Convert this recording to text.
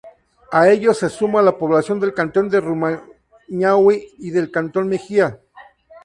A ellos se suman la población del cantón de Rumiñahui y del cantón Mejía.